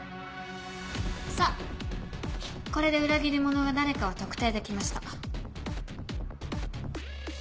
さぁこれで裏切り者が誰かを特定できました。